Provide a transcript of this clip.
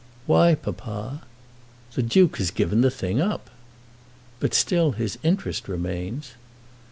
"Why, papa?" "The Duke has given the thing up." "But still his interest remains."